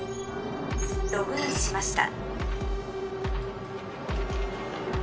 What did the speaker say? ログインしました。